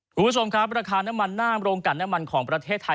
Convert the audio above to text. คุณผู้ชมครับราคาน้ำมันหน้าโรงการน้ำมันของประเทศไทย